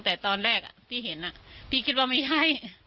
แต่ตอนแรกที่เห็นพี่คิดว่าไม่ใช่